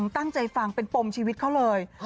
ตั้งใจฟังเป็นปมชีวิตเขาเลย